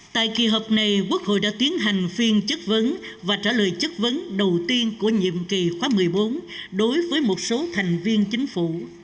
tại kỳ họp này quốc hội đã tiến hành phiên chất vấn và trả lời chất vấn đầu tiên của nhiệm kỳ khóa một mươi bốn đối với một số thành viên chính phủ